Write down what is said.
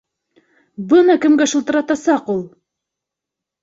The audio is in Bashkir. Бына кемгә шылтыратасаҡ ул!